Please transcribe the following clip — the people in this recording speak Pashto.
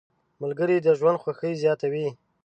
ملګري د ژوند خوښي زیاته وي.